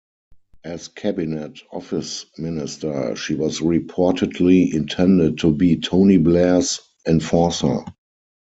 As Cabinet Office Minister, she was reportedly intended to be Tony Blair's "enforcer".